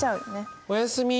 おやすみ。